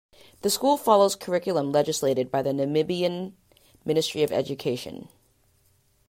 The school follows curriculum legislated by the Namibian Ministry of Education.